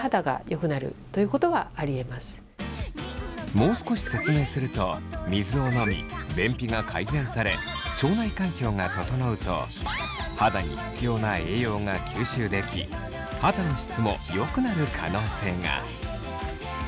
もう少し説明すると水を飲み便秘が改善され腸内環境が整うと肌に必要な栄養が吸収でき肌の質もよくなる可能性が。